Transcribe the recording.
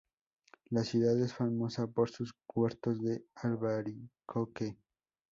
La ciudad es famosa por sus huertos de albaricoque.